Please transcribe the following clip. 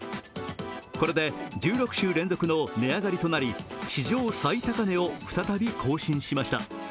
これで１６週連続の値上がりとなり史上最高値を再び更新しました。